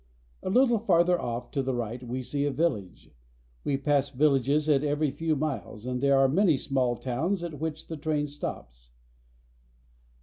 A little farther off to the right we see a village. We pass villages at every few miles, and there are many small towns at which the train stops.